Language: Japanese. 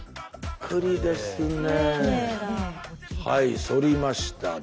はいそりました。